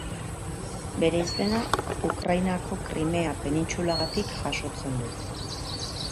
Bere izena Ukrainako Krimea penintsulagatik jasotzen du.